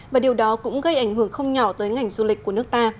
và điều đó cũng gây ảnh hưởng không nhỏ tới ngành du lịch của nước ta